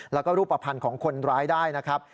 แล้วก็รูปภัณฑ์ของคนร้ายได้นะครับ